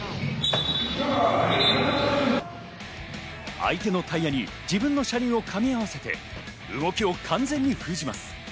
相手のタイヤに自分の車輪をかみ合わせて動きを完全に封じます。